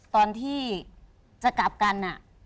ตอนที่จะกลับกัน